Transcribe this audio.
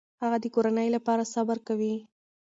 هغه د کورنۍ لپاره صبر کوي.